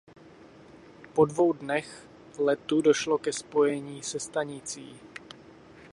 Po dvou dnech letu došlo ke spojení se stanicí.